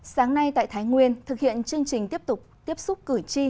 sáng nay tại thái nguyên thực hiện chương trình tiếp tục tiếp xúc cử tri